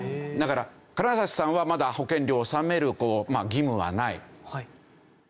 だから金指さんはまだ保険料を納める義務はない。